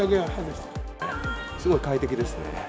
すごい快適ですね。